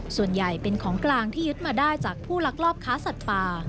ส่วนใหญ่เป็นของกลางที่ยึดมาได้จากผู้ลักลอบค้าสัตว์ป่า